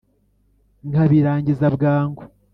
Nkabirangiza bwangu."